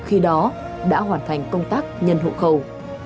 khi đó đã hoàn thành công tác nhân hộ khẩu